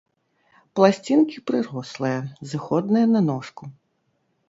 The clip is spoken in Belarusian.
Пласцінкі прырослыя, зыходныя на ножку.